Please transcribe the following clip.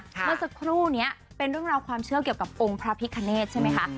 เมื่อสักครู่นี้เป็นเรื่องราวความเชื่อเกี่ยวกับองค์พระพิคเนธใช่ไหมคะ